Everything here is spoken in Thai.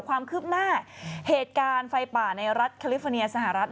ความคืบหน้าเหตุการณ์ไฟป่าในรัฐแคลิฟอร์เนียสหรัฐ